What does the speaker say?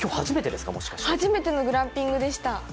初めてのグランピングでした。